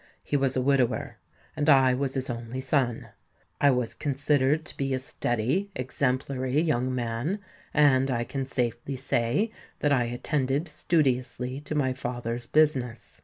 He was a widower; and I was his only son. I was considered to be a steady, exemplary young man; and I can safely say that I attended studiously to my father's business.